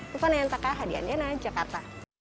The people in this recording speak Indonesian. tufan nayantaka hadian yena jakarta